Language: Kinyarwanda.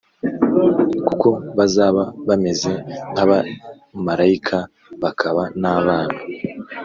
kuko bazaba bameze nk abamarayika bakaba n abana